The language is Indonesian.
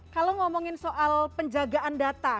kalau ngomongin soal penjagaan data